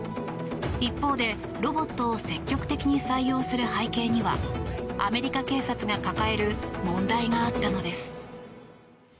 一方で、ロボットを積極的に採用する背景にはアメリカ警察が抱える問題があったのです。